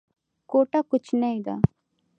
کوټه کوچنۍ ده.